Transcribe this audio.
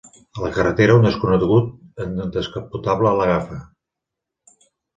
A la carretera, un desconegut en descapotable l'agafa.